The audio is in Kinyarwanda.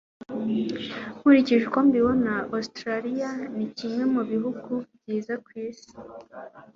nkurikije uko mbibona, ositaraliya ni kimwe mu bihugu byiza ku isi